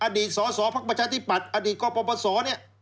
อดีตสสพักประชาทิปัตย์อดีตก็ปประสงคร์เนี่ย